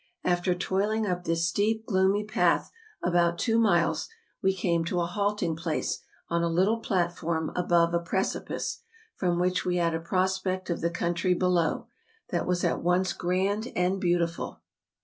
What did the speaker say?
.. After toiling up this steep, gloomy path about two miles, we came to a halting place on a little platform above a precipice, from which we had a prospect of the country below, that was at once grand and beau¬ tiful.